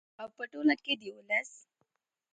او په ټوله کې د ولس